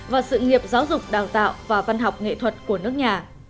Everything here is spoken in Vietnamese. và sự nghiệp giáo dục đào tạo và văn học nghệ thuật của nước nhà